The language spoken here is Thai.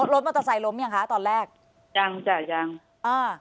รถมอเตอร์ไซค์ล้มยังคะตอนแรกยังจ้ะยังอ่า